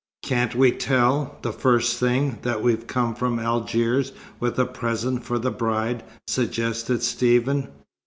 "Can't we tell, the first thing, that we've come from Algiers with a present for the bride?" suggested Stephen.